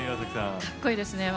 かっこいいです。